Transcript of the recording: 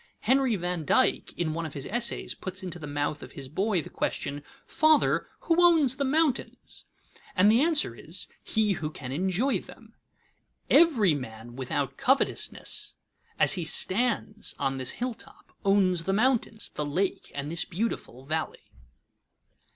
Henry van Dyke in one of his essays puts into the mouth of his boy the question, "Father, who owns the mountains?" and the answer is, He who can enjoy them. Every man without covetousness, as he stands on this hilltop, owns the mountains, the lake, and this beautiful valley.